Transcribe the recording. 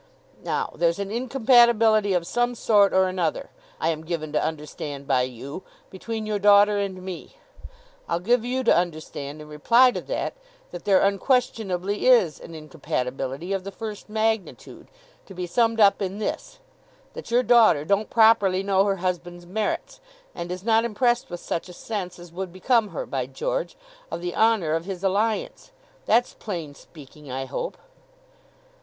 Now, there's an incompatibility of some sort or another, I am given to understand by you, between your daughter and me. I'll give you to understand, in reply to that, that there unquestionably is an incompatibility of the first magnitude—to be summed up in this—that your daughter don't properly know her husband's merits, and is not impressed with such a sense as would become her, by George! of the honour of his alliance. That's plain speaking, I hope.